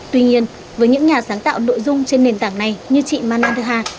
tuy nhiên với những nhà sáng tạo nội dung trên nền tảng này như chị manandha